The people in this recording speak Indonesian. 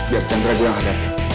biar chandra gue yang hadapin